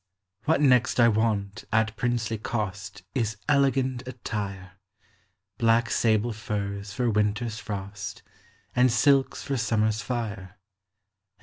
What next I want, at princely Is elegant attire : Black sable t'ni s for winter's fro And silks for summer's Are, And